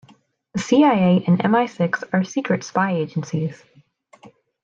The CIA and MI-Six are secret spy agencies.